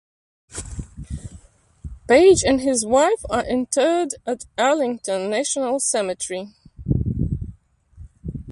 Paige and his wife are interred at Arlington National Cemetery.